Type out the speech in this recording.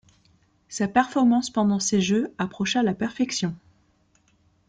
Sa performance pendant ces Jeux approcha la perfection.